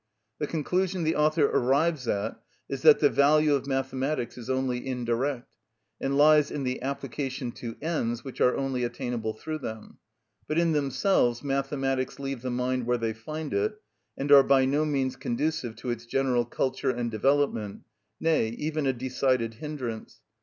The conclusion the author arrives at is that the value of mathematics is only indirect, and lies in the application to ends which are only attainable through them; but in themselves mathematics leave the mind where they find it, and are by no means conducive to its general culture and development, nay, even a decided hindrance.